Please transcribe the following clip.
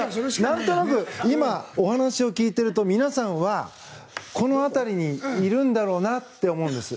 なんとなく今お話を聞いていると皆さんはこの辺りにいるんだろうなって思うんです。